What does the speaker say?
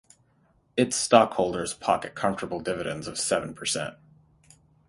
Its stockholders pocket comfortable dividends of seven per cent.